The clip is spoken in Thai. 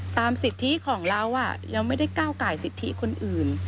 สิทธิของเราเราไม่ได้ก้าวไก่สิทธิคนอื่น